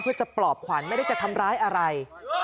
เพื่อจะปลอบขวัญไม่ได้จะทำร้ายอะไร